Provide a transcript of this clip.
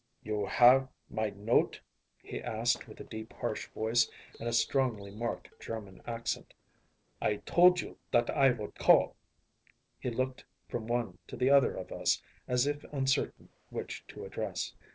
“You had my note?‚ÄĚ he asked with a deep harsh voice and a strongly marked German accent. “I told you that I would call.‚ÄĚ He looked from one to the other of us, as if uncertain which to address.